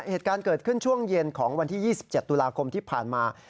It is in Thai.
เหตุการณ์เกิดขึ้นช่วงเย็นของวันที่๒๗ตุลาคมที่ผ่านมา